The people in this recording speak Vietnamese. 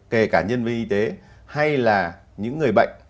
kể cả nhân viên y tế hay là những người bệnh